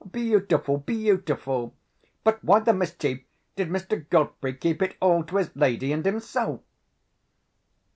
Beautiful! beautiful! But why the mischief did Mr. Godfrey keep it all to his lady and himself?